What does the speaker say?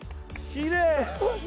きれい。